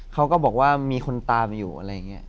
เขาก็บอกว่ามีคนตามอยู่อะไรอย่างนี้